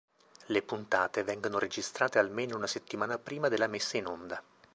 Le puntate vengono registrate almeno una settimana prima della messa in onda.